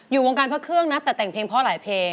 วงการพระเครื่องนะแต่แต่งเพลงเพราะหลายเพลง